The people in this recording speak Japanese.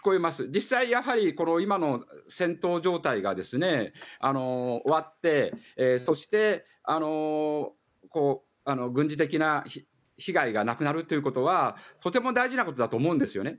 実際、やはりこの今の戦闘状態が終わってそして、軍事的な被害がなくなるということはとても大事なことだと思うんですよね。